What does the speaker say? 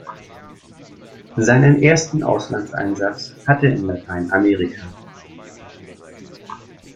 Seinen ersten Auslandseinsatz hat er in Lateinamerika.